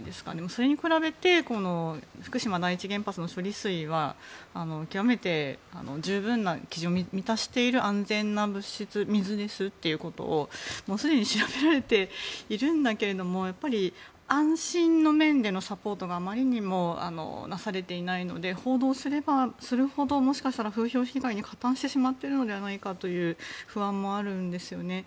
それに比べて福島第一原発の処理水は極めて十分な基準を満たしている安全な物質、水ですとすでに調べられているんだけれど安心の面でのサポートがあまりにもなされていないので報道すればするほどもしかしたら風評被害に加担してしまっているのではないかという不安もあるんですよね。